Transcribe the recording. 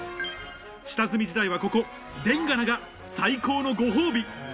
下積み時代はここ「でんがな」が最高のご褒美